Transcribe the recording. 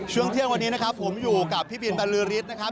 ช่วงเที่ยงวันนี้นะครับผมอยู่กับพี่บินบรรลือฤทธิ์นะครับ